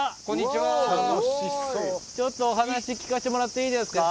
ちょっとお話聞かせてもらっていいですか？